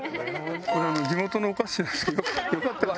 これ地元のお菓子なんですけどよかったら。